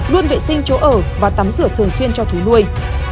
luôn vệ sinh chỗ ở và tắm rửa thường xuyên cho thú nuôi